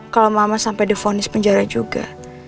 kalau mama sampai di vonis penjara juga